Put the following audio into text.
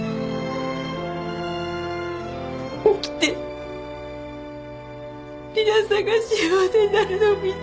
生きて理奈さんが幸せになるのを見たい。